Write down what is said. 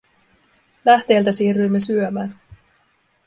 Lähteeltä siirryimme syömään.